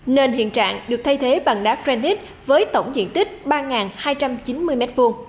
nên hiện trạng được thay thế bằng đá grandit với tổng diện tích ba hai trăm chín mươi m hai